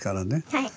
はい。